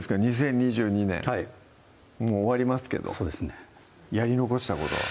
２０２２年もう終わりますけどそうですねやり残したことは？